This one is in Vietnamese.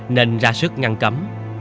nên ra sức ngăn cấm